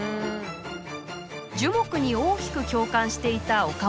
樹木に大きく共感していた岡本太郎。